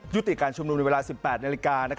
ยุติการชุมนุมอยู่เวลา๑๘น